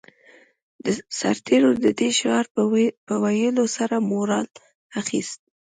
سرتېرو د دې شعار په ويلو سره مورال اخیست